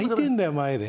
前で。